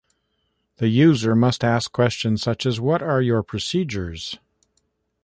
The user must ask questions such as, What are your procedures?